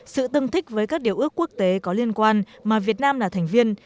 sự tương thích với các điều ước quốc tế có liên quan mà việt nam là thành viên